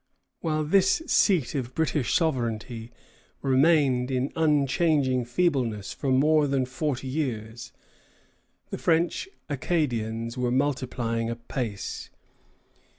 While this seat of British sovereignty remained in unchanging feebleness for more than forty years, the French Acadians were multiplying apace.